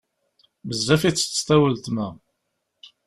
Bezzaf i ttetteḍ a wletma.